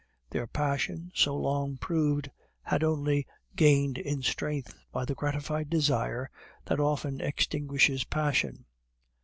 Their passion, so long proved, had only gained in strength by the gratified desire that often extinguishes passion.